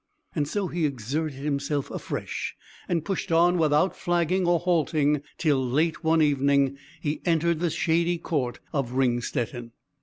And so he exerted himself afresh, and pushed on, without flagging or halting, till late one evening he entered the shady court of Ringstetten.